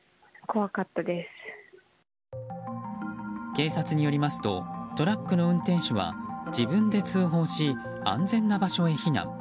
警察によりますとトラックの運転手は自分で通報し安全な場所へ避難。